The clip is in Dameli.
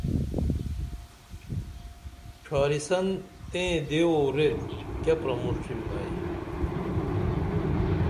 ڇھاریسن تیں دیو او ریت کیہ پرمُݜٹِم ائی